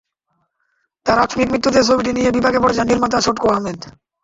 তাঁর আকস্মিক মৃত্যুতে ছবিটি নিয়ে বিপাকে পড়ে যান নির্মাতা ছটকু আহমেদ।